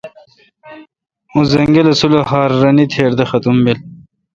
اں زنگلہ سلوخار رنے تیر دا ختم بیل۔